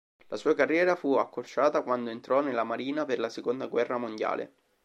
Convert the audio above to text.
La sua carriera fu accorciata quando entrò nella Marina per la Seconda guerra mondiale.